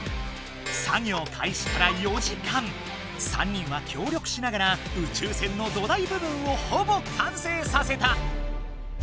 ３人は協力しながら宇宙船の土台部分をほぼ完成させた。